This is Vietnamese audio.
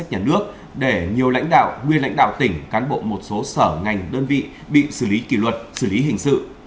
cụ thể nhiều lãnh đạo nguyên lãnh đạo tỉnh cán bộ một số sở ngành đơn vị bị xử lý kỷ luật xử lý hình sự